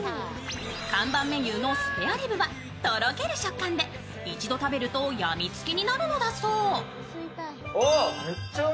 看板メニューのスペアリブはとろける食感で、一度食べるとやみつきになるのだそう。